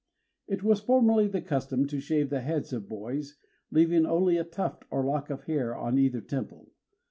It was formerly the custom to shave the heads of boys, leaving only a tuft or lock of hair on either temple.